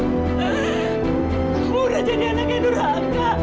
kamu udah jadi anak yang duraga